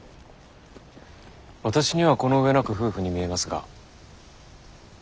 私にはこの上なく夫婦に見えますが。